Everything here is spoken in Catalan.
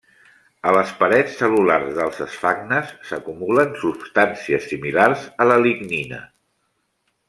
A les parets cel·lulars dels esfagnes s'acumulen substàncies similars a la lignina.